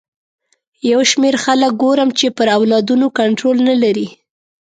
یو شمېر خلک ګورم چې پر اولادونو کنټرول نه لري.